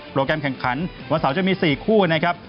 แกรมแข่งขันวันเสาร์จะมี๔คู่นะครับ